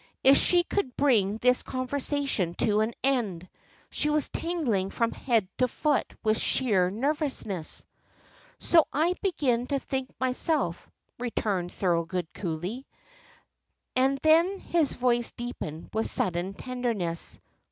If she could bring this conversation to an end! She was tingling from head to foot with sheer nervousness. "So I begin to think myself," returned Thorold, coolly. And then his voice deepened with sudden tenderness.